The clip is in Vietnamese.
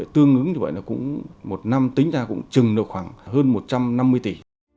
tương ứng như vậy là cũng một năm tính ra cũng trừng được khoảng hơn một trăm năm mươi tỷ